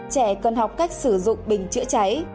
trẻ cần học cách sử dụng bình chữa cháy